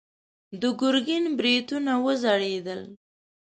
د ګرګين برېتونه وځړېدل.